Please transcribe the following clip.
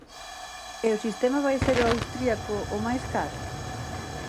¿E o sistema vai ser o austríaco, o máis caro?